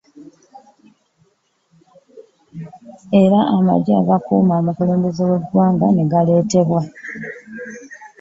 Era amagye agakuuma omukulembeze w'eggwanga ne galeetebwa